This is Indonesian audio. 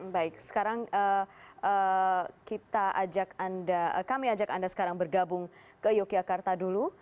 baik sekarang kami ajak anda bergabung ke yogyakarta dulu